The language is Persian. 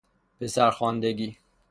پسر خواندگی